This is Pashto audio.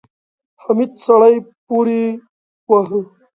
حميد سړی پورې واهه.